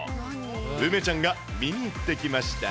梅ちゃんが見に行ってきました。